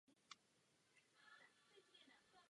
Nejmladší byla dcera Johanka.